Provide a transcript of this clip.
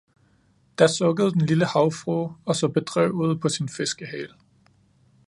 Da sukkede den lille havfrue og så bedrøvet på sin fiskehale.